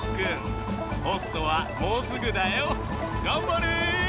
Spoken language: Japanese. ポストはもうすぐだよがんばれ！